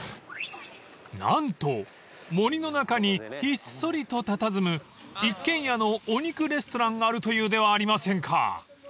［何と森の中にひっそりとたたずむ一軒家のお肉レストランがあるというではありませんか］